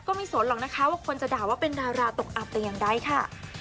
ไม่สนหรอกนะคะว่าคนจะด่าว่าเป็นดาราตกอับแต่อย่างใดค่ะ